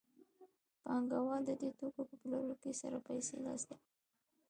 پانګوال د دې توکو په پلورلو سره پیسې لاسته راوړي